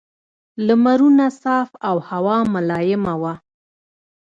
لمرونه صاف او هوا ملایمه وه.